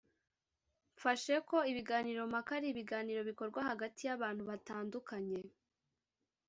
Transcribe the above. Mfashe ko: Ibiganiro mpaka ari ibiganiro bikorwa hagati y’abantu batandukanye